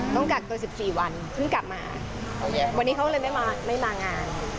ต้องกักตัว๑๔วันเพิ่งกลับมาวันนี้เขาเลยไม่มางาน